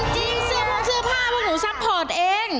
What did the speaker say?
จริงเสื้อผุมเสื้อผ้าเพราะหนูซัพพอร์ตเอง